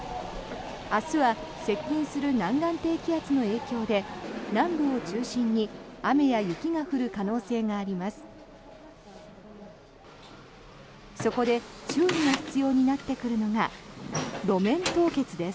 明日は接近する南岸低気圧の影響で南部を中心に雨や雪が降る可能性があります。